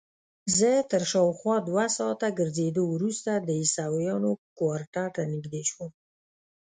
زه تر شاوخوا دوه ساعته ګرځېدو وروسته د عیسویانو کوارټر ته نږدې شوم.